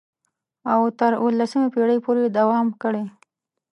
او تر اوولسمې پېړۍ پورې یې دوام کړی.